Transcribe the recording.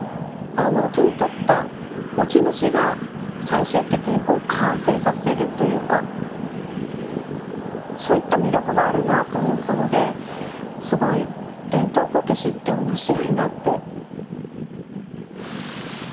手に取った持ち主が最終的に完成させるというかそういった魅力があるなと思ったのですごい伝統こけしって面白いなって。